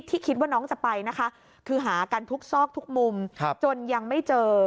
คิดว่าน้องจะไปนะคะคือหากันทุกซอกทุกมุมจนยังไม่เจอ